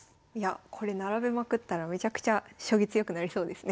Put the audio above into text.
これ並べまくったらめちゃくちゃ将棋強くなりそうですね。